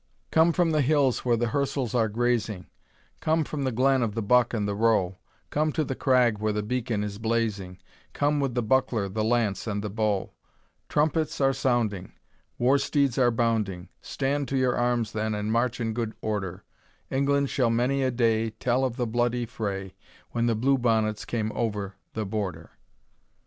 II. Come from the hills where the hirsels are grazing, Come from the glen of the buck and the roe; Come to the crag where the beacon is blazing, Come with the buckler, the lance, and the bow. Trumpets are sounding, War steeds are bounding, Stand to your arms then, and march in good order; England shall many a day Tell of the bloody fray, When the Blue Bonnets came over the Border!